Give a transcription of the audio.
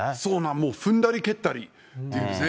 もう踏んだり蹴ったりって言いますね。